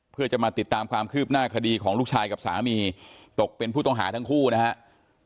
เพื่อจะมาติดตามความคืบหน้าคดีของลูกชายกับสามีตกเป็นผู้ต้องหาทั้งคู่นะครับ